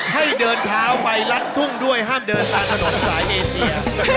ให้เดินเท้าไปลัดทุ่งด้วยห้ามเดินตามถนนสายเอเชีย